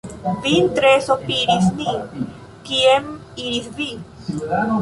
Vin tre sopiris ni, kien iris vi?